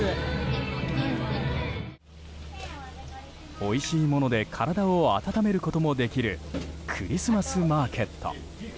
おいしいもので体を温めることもできるクリスマスマーケット。